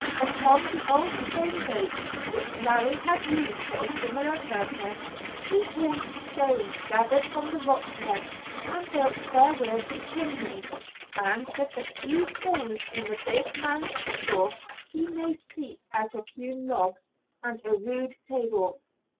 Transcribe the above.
Upon the old stone boat which Larry had used for a similar purpose he hauled stones gathered from the rock ledge and built therewith a chimney, and with the few tools in the big man's store he made seats out of hewn logs, and a rude table.